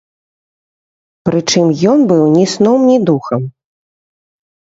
Прычым ён быў ні сном ні духам.